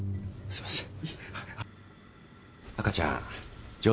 すいません。